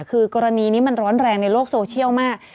คือกรณีนี้มันร้อนแรงในโลกโซเชียลมาก